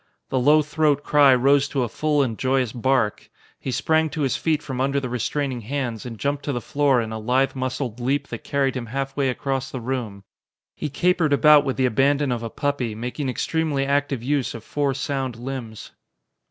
The low throat cry rose to a full and joyous bark. He sprang to his feet from under the restraining hands and jumped to the floor in a lithe muscled leap that carried him half way across the room. He capered about with the abandon of a puppy, making extremely active use of four sound limbs.